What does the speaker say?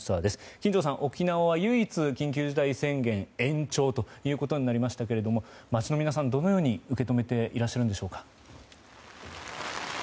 金城さん、沖縄は唯一緊急事態宣言延長ということになりましたが街の皆さん、どのように受け止めていらっしゃいますか？